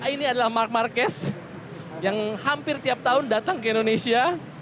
ini adalah mark marquez yang hampir tiap tahun datang ke indonesia